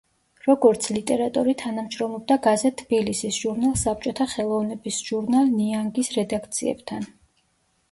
როგორც ლიტერატორი თანამშრომლობდა გაზეთ „თბილისის“, ჟურნალ „საბჭოთა ხელოვნების“, ჟურნალ „ნიანგის“ რედაქციებთან.